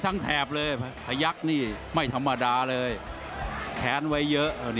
ก็ตั้งเกินเลยแทนไว้เยอะ